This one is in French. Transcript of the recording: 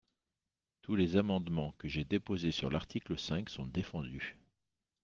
Tous les amendements que j’ai déposés sur l’article cinq sont défendus.